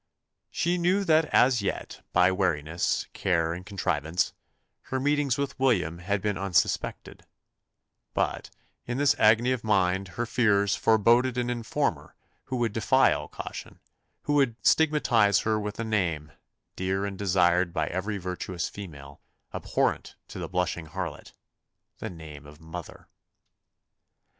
She knew that as yet, by wariness, care, and contrivance, her meetings with William had been unsuspected; but, in this agony of mind, her fears fore boded an informer who would defy all caution; who would stigmatise her with a name dear and desired by every virtuous female abhorrent to the blushing harlot the name of mother.